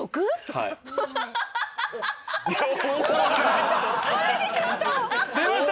はい出ました。